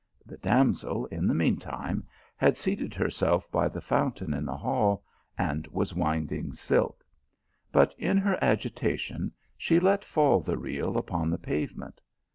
The damsel, in the mean time, had seated herself by the fountain in the hall, and was winding silk ; but in her agitation she let fall the reel upon the pavement.